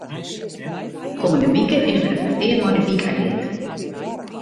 Kommende wike is der in petear mei de wykagint.